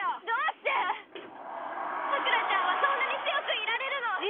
どうしてさくらちゃんはそんなに強くいられるの？